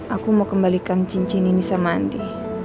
aku mau kembalikan cincin ini sama andi